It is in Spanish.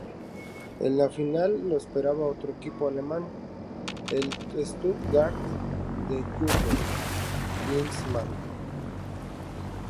En la final lo esperaba otro equipo alemán, el Stuttgart de Jürgen Klinsmann.